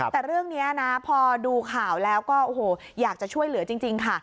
แต่เรื่องนี้นะพอดูข่าวแล้วก็โอ้โหอยากจะช่วยเหลือจริงค่ะ